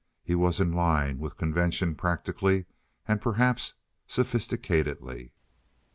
He was in line with convention practically, and perhaps sophisticatedly.